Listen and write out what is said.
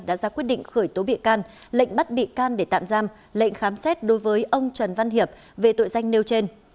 đã ra quyết định khởi tố bị can lệnh bắt bị can để tạm giam lệnh khám xét đối với ông trần văn hiệp về tội danh nêu trên